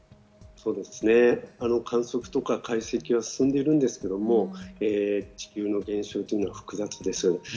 そうですね、観測や解析は進んでいるんですが、地球の現象というのは複雑です。